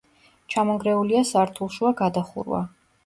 ჩამონგრეულია სართულშუა გადახურვა.